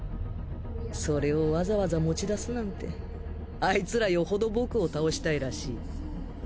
それをわざわざ持ち出すなんてアイツらよほど僕を倒したいらしい。